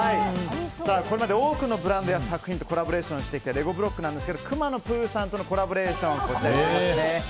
これまで多くのブランドや作品とコラボレーションしてきたレゴブロックなんですが「くまのプーさん」とのコラボレーションはこちら。